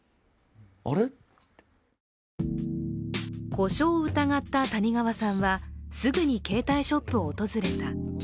故障を疑った谷川さんは、すぐに携帯ショップを訪れた。